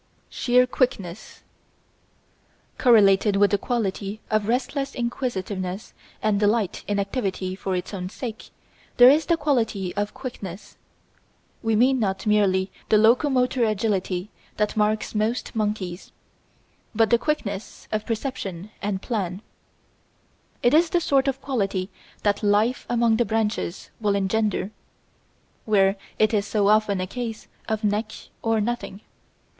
Sheer Quickness Correlated with the quality of restless inquisitiveness and delight in activity for its own sake there is the quality of quickness. We mean not merely the locomotor agility that marks most monkeys, but quickness of perception and plan. It is the sort of quality that life among the branches will engender, where it is so often a case of neck or nothing.